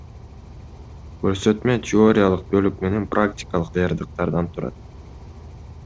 Көрсөтмө теориялык бөлүк менен практикалык даярдыктардан турат.